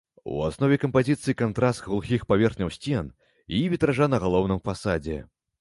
У аснове кампазіцыі кантраст глухіх паверхняў сцен і вітража на галоўным фасадзе.